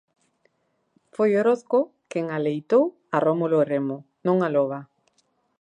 Foi Orozco quen aleitou a Rómulo e Remo, non a loba.